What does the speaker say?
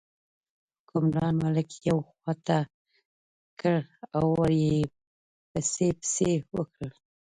حکمران ملک یوې خوا ته کړ او ور یې پسپسي وکړل.